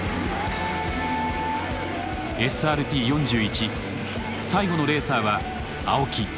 ＳＲＴ４１最後のレーサーは青木。